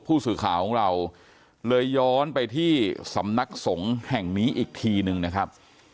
ผู้สื่อข่าวของเราเลยย้อนไปที่สำนักสงฆ์แห่งนี้อีกทีหนึ่งนะครับ